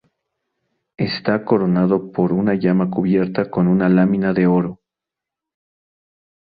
Está coronado por una llama cubierta con una lámina de oro.